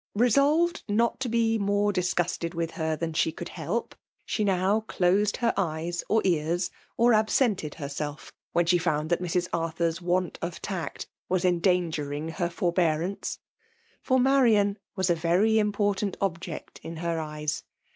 Besolved mot to be more disgusted with her than she QOuld helpi she now closed her eyes or ears> or ailwt'pied hcrs^^ when she found that Mrs. r Arthur's want of tact was endangering her for*, liearaiice.; for Marian .was a very important t>bject in her eyes.